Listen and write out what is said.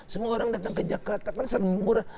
semua orang datang ke jakarta